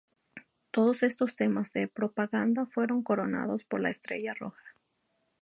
Todos estos temas de propaganda fueron coronados por la estrella roja.